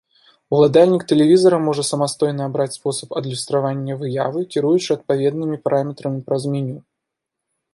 Уладальнік тэлевізара можа самастойна абраць спосаб адлюстравання выявы, кіруючы адпаведнымі параметрамі праз меню.